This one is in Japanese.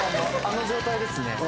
あの状態ですね。